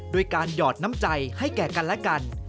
ด้วยการหยอดน้ำใจให้แก่กันและกัน